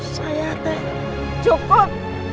saya tak cukup